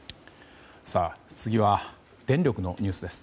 次は電力のニュースです。